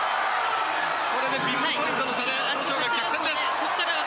これでビッグポイントの差で土性が逆転です。